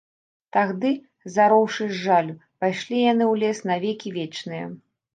Тагды, зароўшы з жалю, пайшлі яны ў лес на векі вечныя.